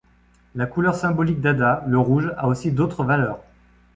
La couleur symbolique d'Ada, le rouge, a aussi d'autres valeurs.